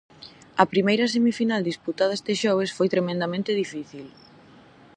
A primeira semifinal disputada este xoves foi tremendamente difícil.